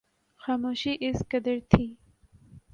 خاموشی اس قدر تھی